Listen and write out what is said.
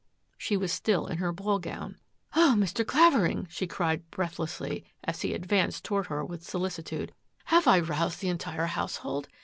She was still in her ball gown. " Oh, Mr. Clavering,'* she cried breathlessly, as he advanced toward her with solicitude, " have I roused the entire household?